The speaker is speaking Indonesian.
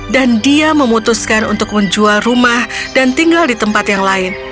dan dia memutuskan untuk menjual rumah dan tinggal di tempat yang lain